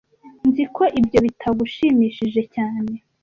Nzi ko ibyo bitagushimishije cyane